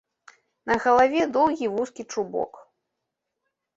На галаве доўгі вузкі чубок.